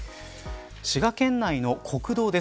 滋賀県内の国道です。